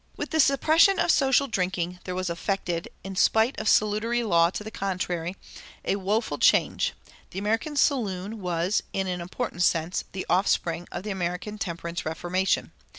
With the suppression of social drinking there was effected, in spite of salutary law to the contrary, a woeful change. The American "saloon" was, in an important sense, the offspring of the American temperance reformation.